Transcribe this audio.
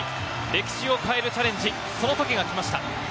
歴史を変えるチャレンジ、その時がきました。